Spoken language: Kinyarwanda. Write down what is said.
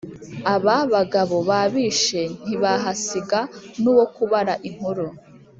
Ababagabo babishe Ntibahasiga n' uwo kubara inkuru